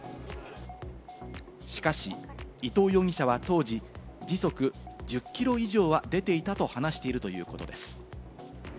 しかし、伊藤容疑者は当時、時速１０キロ以上は出ていたと話しているということです。